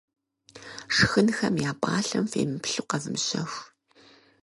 Шхынхэм я пӏалъэм фемыплъу къэвмыщэху.